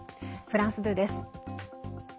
フランス２です。